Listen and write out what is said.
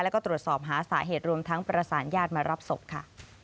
แล้วก็ตรวจสอบหาสาเหตุรวมทั้งประสานญาติมารับศพค่ะ